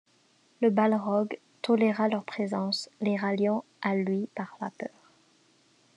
Le Balrog toléra leur présence, les ralliant à lui par la peur.